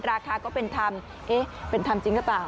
ราคาก็เป็นทำเป็นทำจริงหรือเปล่า